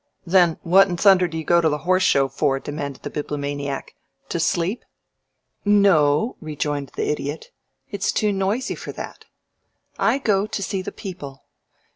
"Then what in thunder do you go to the Horse Show for?" demanded the Bibliomaniac. "To sleep?" "No," rejoined the Idiot. "It's too noisy for that. I go to see the people.